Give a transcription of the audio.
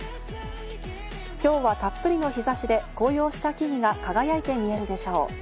今日はたっぷりの日差しで紅葉した木々が輝いて見えるでしょう。